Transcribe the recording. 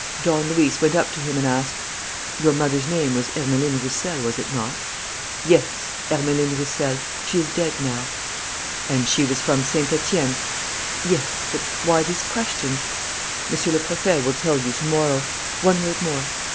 Don Luis went up to him and asked: "Your mother's name was Ermeline Roussel, was it not?" "Yes, Ermeline Roussel. She is dead now." "And she was from Saint Etienne?" "Yes. But why these questions?" "Monsieur le Préfet will tell you to morrow. One word more."